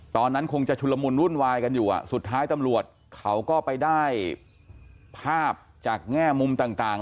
ตอนนั้นคงจะชุลมุนวุ่นวายกันอยู่สุดท้ายตำรวจเขาก็ไปได้ภาพจากแง่มุมต่าง